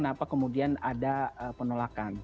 kenapa kemudian ada penolakan